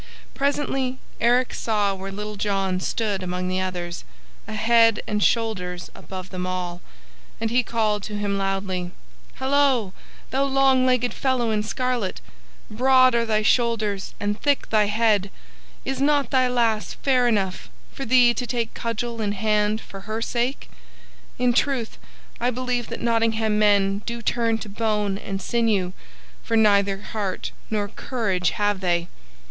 Presently Eric saw where Little John stood among the others, a head and shoulders above them all, and he called to him loudly, "Halloa, thou long legged fellow in scarlet! Broad are thy shoulders and thick thy head; is not thy lass fair enough for thee to take cudgel in hand for her sake? In truth, I believe that Nottingham men do turn to bone and sinew, for neither heart nor courage have they!